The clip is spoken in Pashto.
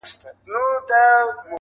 موږ ټول داغومره لوستونکي نلرو